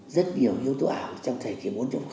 rất nhiều yếu tố ảo trong thời kỳ bốn